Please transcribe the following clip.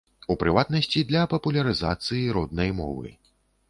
У прыватнасці, для папулярызацыі роднай мовы.